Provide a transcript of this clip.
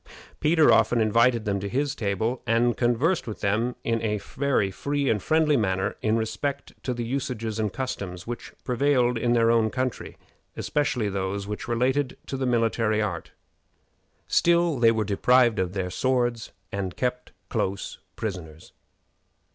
Peter often invited them to his table, and conversed with them in a very free and friendly manner in respect to the usages and customs which prevailed in their own country, especially those which related to the military art. Still, they were deprived of their swords and kept close prisoners.